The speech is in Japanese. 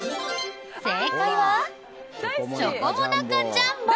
正解はチョコモナカジャンボ。